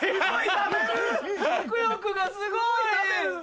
食欲がすごい！